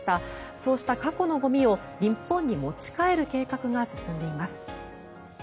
そうした過去のゴミを日本に持ち帰る計画が進んでいます。